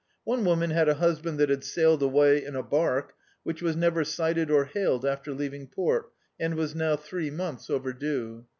One woman had a hus band that had sailed away in a barque, which was never sifted or hailed after leaving port, and was now three months overdue.